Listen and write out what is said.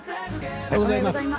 おはようございます。